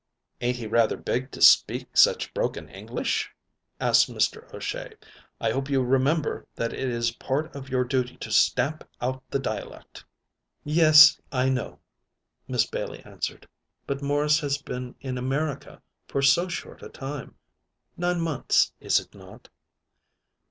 "Ain't he rather big to speak such broken English?" asked Mr. O'Shea. "I hope you remember that it is part of your duty to stamp out the dialect." "Yes, I know," Miss Bailey answered. "But Morris has been in America for so short a time. Nine months, is it not?"